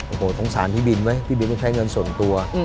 โอ้โหสงสารพี่บินไหมพี่บินต้องใช้เงินส่วนตัว